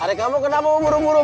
aduh kamu kenapa muruh muruh